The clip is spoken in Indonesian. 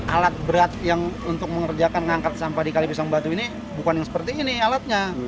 alat berat yang untuk mengerjakan mengangkat sampah di kalipisang batu ini bukan yang seperti ini alatnya